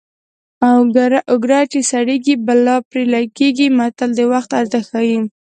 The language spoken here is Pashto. اوګره چې سړېږي بلا پرې لګېږي متل د وخت ارزښت ښيي